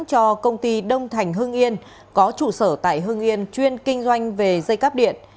cho công ty đông thành hưng yên có trụ sở tại hưng yên chuyên kinh doanh về dây cắp điện